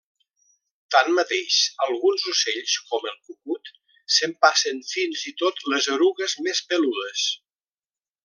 Tanmateix, alguns ocells, com el cucut, s'empassen fins i tot les erugues més peludes.